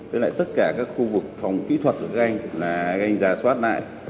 với lại tất cả các khu vực phòng kỹ thuật của các anh là các anh giả soát lại